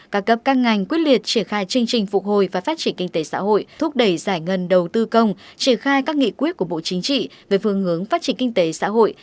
các cấp các ngành quyết liệt triển khai chương trình phục hồi và phát triển kinh tế xã hội thúc đẩy giải ngân đầu tư công triển khai các nghị quyết của bộ chính trị về phương hướng phát triển kinh tế xã hội